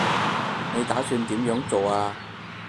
你打算點樣做啊